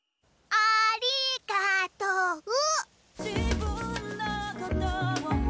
ありがとオ。